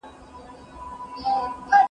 زه به سبا ليکنې کوم،